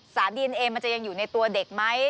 ดีเอนเอมันจะยังอยู่ในตัวเด็กไหม